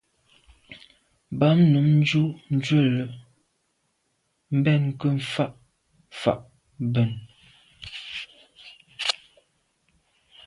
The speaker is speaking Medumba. Bam num njù njwèle mbèn nke nfà’ fà’ ben.